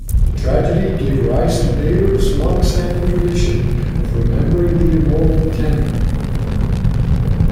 The tragedy gave rise to Baylor's longstanding tradition of remembering The Immortal Ten.